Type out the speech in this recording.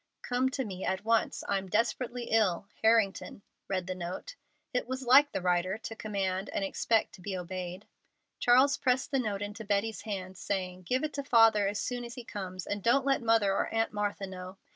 "Come to me at once. I'm desperately ill.—Harrington," read the note. It was like the writer to command and expect to be obeyed. Charles pressed the note into Betty's hand, saying, "Give it to Father as soon as he comes, and don't let Mother or Aunt Martha know."